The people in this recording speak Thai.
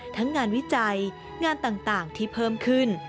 ทั้งงานวิจัยงานต่างที่เพิ่มขึ้น